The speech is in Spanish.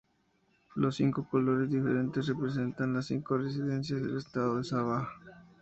Los cinco colores diferentes representan las cinco residencias del estado de Sabah.